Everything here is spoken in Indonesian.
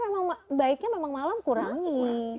karena baiknya memang malam kurangi